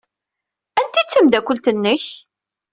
Anta ay d tameddakelt-nnek?